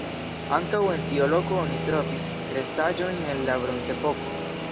Ankaŭ en tiu loko oni trovis restaĵojn el la bronzepoko.